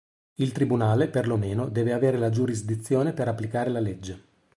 Il tribunale, per lo meno, deve avere la giurisdizione per applicare la legge.